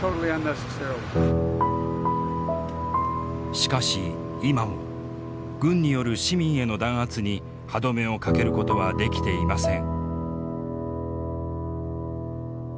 しかし今も軍による市民への弾圧に歯止めをかけることはできていません。